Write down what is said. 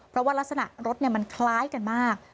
เพราะว่ารักษณะรถมันคล้ายกันมาก